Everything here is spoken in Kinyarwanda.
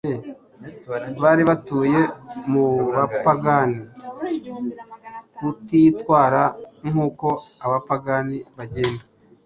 bari batuye mu bapagani kutitwara “nk’uko abapagani bagenda,